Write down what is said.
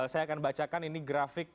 saya akan bacakan ini grafik